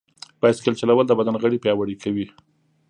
بایسکل چلول د بدن غړي پیاوړي کوي.